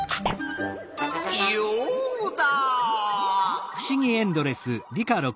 ヨウダ！